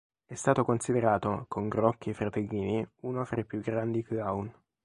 È stato considerato, con Grock e i Fratellini, uno fra i più grandi clown.